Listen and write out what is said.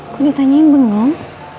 kok ditanyain bengong